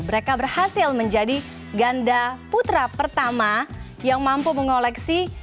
mereka berhasil menjadi ganda putra pertama yang mampu mengoleksi